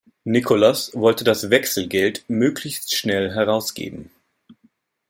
Nicolas wollte das Wechselgeld möglichst schnell herausgeben.